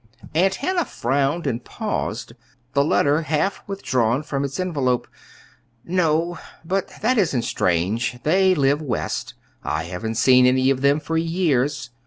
Aunt Hannah frowned and paused, the letter half withdrawn from its envelope. "No but that isn't strange. They live West. I haven't seen any of them for years.